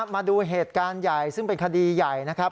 มาดูเหตุการณ์ใหญ่ซึ่งเป็นคดีใหญ่นะครับ